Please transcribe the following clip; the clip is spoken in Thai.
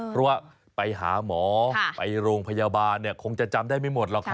เพราะว่าไปหาหมอไปโรงพยาบาลคงจะจำได้ไม่หมดหรอกครับ